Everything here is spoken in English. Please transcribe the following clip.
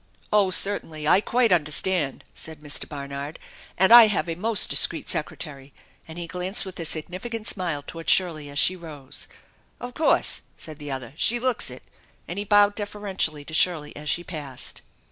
" Oh, certainly ! I quite understand/' said Mr. Barnard, " and I have a most discreet secretary," and he glanced with a significant smile toward Shirley as she rose. " Of course !" said the other. " She looks it," and he bowed deferentially to Shirley as she passed.